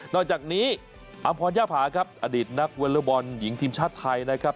อกจากนี้อำพรย่าภาครับอดีตนักวอลเลอร์บอลหญิงทีมชาติไทยนะครับ